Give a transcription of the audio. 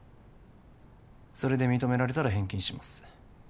それで認められたら返金します